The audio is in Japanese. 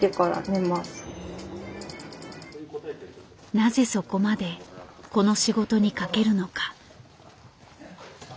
なぜそこまでこの仕事にかけるのか。